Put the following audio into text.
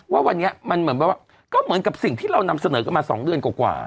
ว่าวันนี้มันเหมือนแบบว่าก็เหมือนกับสิ่งที่เรานำเสนอกันมา๒เดือนกว่า